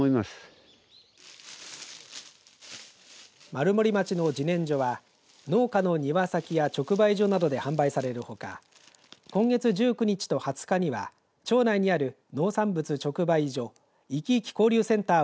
丸森町のじねんじょは農家の庭先や直売所などで販売されるほか今月１９日と２０日には町内にある農産物直売所いきいき交流センター